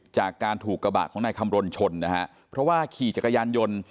จากการถูกกระบะของนายคำรณชนนะฮะเพราะว่าขี่จักรยานยนต์